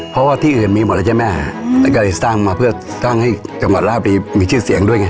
เพราะว่าที่อื่นมีหมดแล้วใช่ไหมฮะแล้วก็เลยสร้างมาเพื่อสร้างให้จังหวัดลาบดีมีชื่อเสียงด้วยไง